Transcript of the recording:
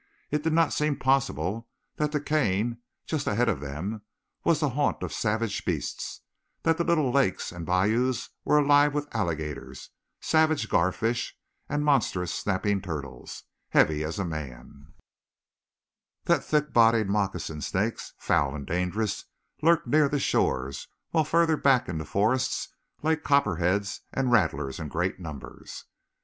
It did not seem possible that the cane just ahead of them was the haunt of savage beasts, that the little lakes and bayous were alive with alligators, savage garfish and monstrous snapping turtles, heavy as a man; that thick bodied moccasin snakes, foul and dangerous, lurked near the shores, while further back in the forests lay copperheads and rattlers in great numbers.